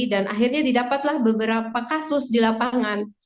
dan akhirnya didapatlah beberapa kasus di lapangan